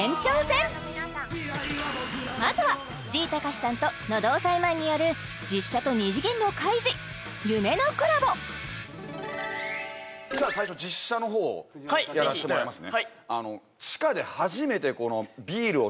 まずはＧたかしさんと喉押さえマンによる実写と二次元のカイジ夢のコラボじゃあ最初実写の方をやらせてもらいますね